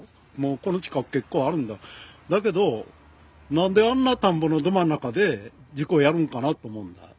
この近く、結構あるんだけど、なんであんな田んぼのど真ん中で事故やるんかなと思うんだ。